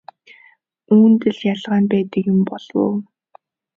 Үүнд л ялгаа нь байдаг юм ойлгов уу?